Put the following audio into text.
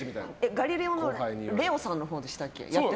「ガリレオ」のレオさんのほうでしたっけ？